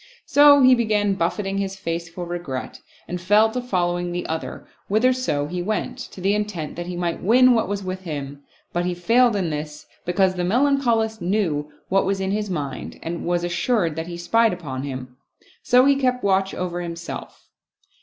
So he began buffeting his face for regret, and fell to following the other whitherso he went, to the intent that he might win what was with him, but he failed in this, be cause the Melancholist knew what was in his mind and was assured that he spied upon him ; so he kept watch over him self.